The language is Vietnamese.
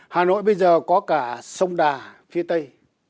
hà nội bây giờ có cả sông đà phía tây